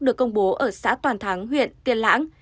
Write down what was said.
được công bố ở xã toàn thắng huyện tiên lãng